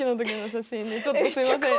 ちょっとすいません。